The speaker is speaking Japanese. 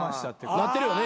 なってるよね？